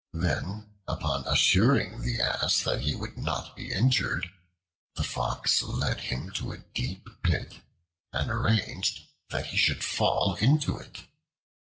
Then, upon assuring the Ass that he would not be injured, the Fox led him to a deep pit and arranged that he should fall into it.